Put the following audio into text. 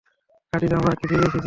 খাদিজা, আমরা কি ফিরে এসেছি?